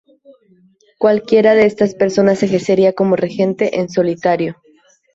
Cualquiera de estas personas ejercería como regente en solitario.